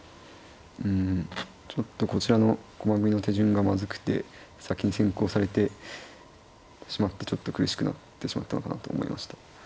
うんちょっとこちらの駒組みの手順がまずくて先に先攻されてしまってちょっと苦しくなってしまったのかなと思いました。